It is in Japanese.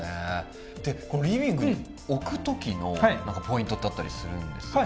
このリビングに置く時のポイントってあったりするんですか？